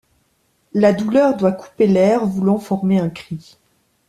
La douleur doit couper l’air voulant former un cri.